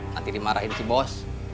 nanti dimarahin si bos